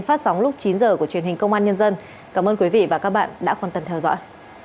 phát sóng lúc chín h của truyền hình công an nhân dân cảm ơn quý vị và các bạn đã quan tâm theo dõi